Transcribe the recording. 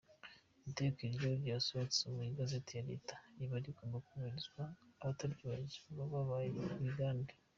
Itegeko iyo ryasohotse mu igazeti ya Leta riba rigomba kubahirizwa, abataryubahirje baba babaye ibigande.